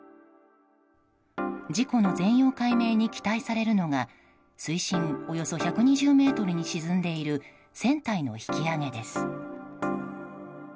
事故の全容解明に期待されるのが水深およそ１２０ｍに沈んでいる船体の引き揚げです。